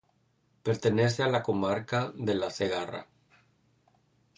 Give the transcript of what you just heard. Pertenece a la comarca de la Segarra.